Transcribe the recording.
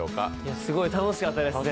すごい楽しかったですね。